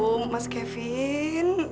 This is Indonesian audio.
oh mas kevin